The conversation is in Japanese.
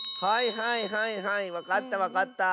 はいはいはいわかったわかった。